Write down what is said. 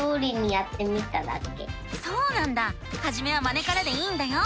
そうなんだはじめはまねからでいいんだよ！